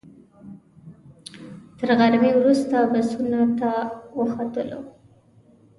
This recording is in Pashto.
تر غرمې وروسته بسونو ته وختلو.